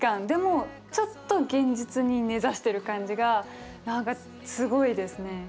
でもちょっと現実に根ざしてる感じが何かすごいですね。